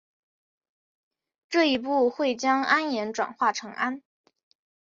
这一步会将铵盐转化成氨。